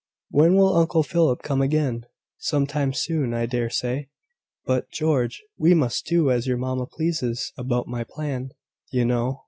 When will Uncle Philip come again?" "Some time soon, I dare say. But, George, we must do as your mamma pleases about my plan, you know.